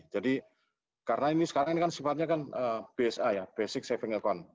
jadi karena ini sekarang kan sempatnya kan bsa ya basic saving account